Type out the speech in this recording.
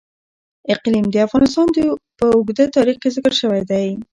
اقلیم د افغانستان په اوږده تاریخ کې ذکر شوی دی.